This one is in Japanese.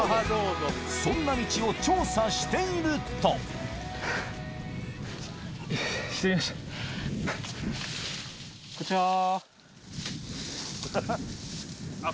そんな道を調査しているとこんちは。